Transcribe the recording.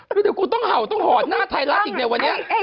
เดี๋ยวกูต้องเห่าต้องหอดหน้าไทยรัฐอีกในวันนี้